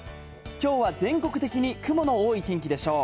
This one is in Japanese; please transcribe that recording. きょうは全国的に雲の多い天気でしょう。